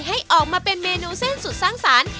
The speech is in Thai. ให้ออกมาเป็นเมนูเส้นสุดสร้างสรรค์